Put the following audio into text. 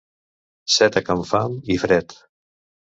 Set a can Fam i Fred.